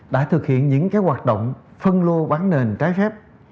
đã thực hiện những hoạt động phân lô bán nền trái phép